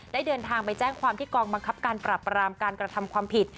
เดินทางไปแจ้งความที่กองบังคับการปรับรามการกระทำความผิด